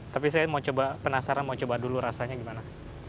tapi saya penasaran mau coba dulu rasanya gimana